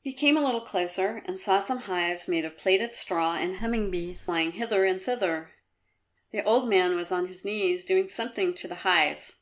He came a little closer and saw some hives made of plaited straw and humming bees flying hither and thither. The old man was on his knees, doing something to the hives.